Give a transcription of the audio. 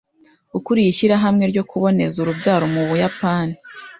ukuriye ishyirahamwe ryo kuboneza urubyaro mu Buyapani,